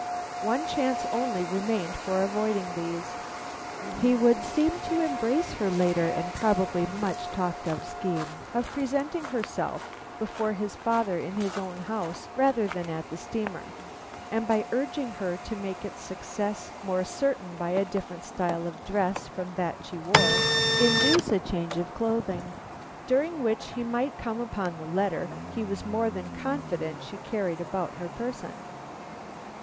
One chance only remained for avoiding these. He would seem to embrace her later and probably much talked of scheme of presenting herself before his father in his own house rather than at the steamer; and by urging her to make its success more certain by a different style of dress from that she wore, induce a change of clothing, during which he might come upon the letter he was more than confident she carried about her person.